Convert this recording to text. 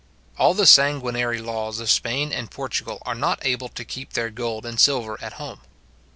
All the sanguinary laws of Spain and Portugal are not able to keep their gold and silver at home.